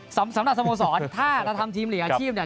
สำหรับสมสอสถ้าเราทำทีมหลีอาชีพ